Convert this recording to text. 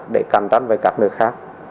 để cạnh tranh với các nước khác